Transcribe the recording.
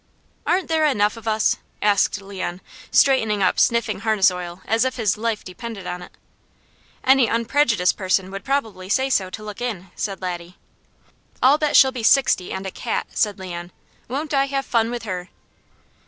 "Aren't there enough of us?" asked Leon, straightening up sniffing harness oil as if his life depended on it. "Any unprejudiced person would probably say so to look in," said Laddie. "I'll bet she'll be sixty and a cat," said Leon. "Won't I have fun with her?"